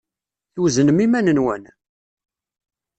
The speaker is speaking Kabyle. Tweznem iman-nwen?